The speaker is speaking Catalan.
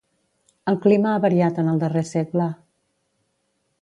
El clima ha variat en el darrer segle.